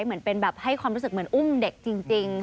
เหมือนเป็นแบบให้ความรู้สึกเหมือนอุ้มเด็กจริง